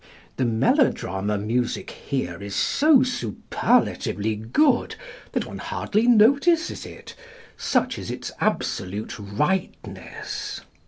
The melodrama music here is so superlatively good that one hardly notices it, such is its absolute Tightness.